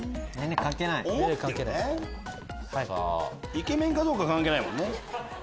イケメンかどうかは関係ないもんね。